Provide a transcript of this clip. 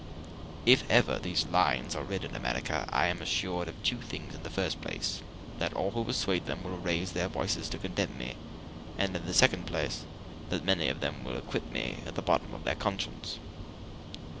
If ever these lines are read in America, I am well assured of two things: in the first place, that all who peruse them will raise their voices to condemn me; and in the second place, that very many of them will acquit me at the bottom of their conscience.